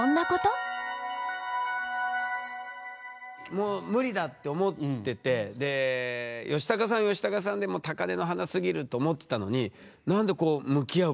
もうムリだって思っててでヨシタカさんはヨシタカさんでもう高根の花すぎると思ってたのに何でこう向き合うことになるんですか？